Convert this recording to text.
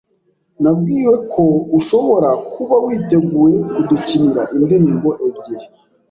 Nabwiwe ko ushobora kuba witeguye kudukinira indirimbo ebyiri.